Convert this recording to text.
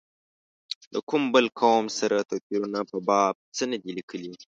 د کوم بل قوم سره توپیرونو په باب څه نه دي لیکلي.